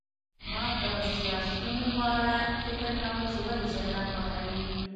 ما د سیاسیونو په اړه فکر کاوه چې ولې جګړه خوښوي